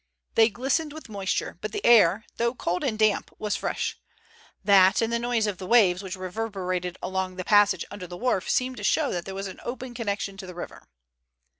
They glistened with moisture, but the air, though cold and damp, was fresh. That and the noise of the waves which reverberated along the passage under the wharf seemed to show that there was an open connection to the river.